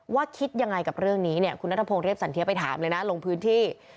คิดยังไงกับเรื่องนี้เนี่ยคุณนัทพงศ์เรียบสันเทียไปถามเลยนะลงพื้นที่